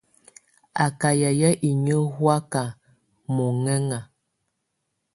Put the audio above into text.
Á kà yayɛ̀á inyǝ́ hɔ̀áka mɔ̀nɛna.